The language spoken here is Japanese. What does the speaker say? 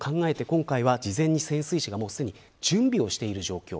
今回は事前に潜水士が準備をしている状況。